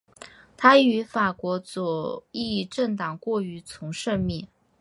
他与法国左翼政党过从甚密。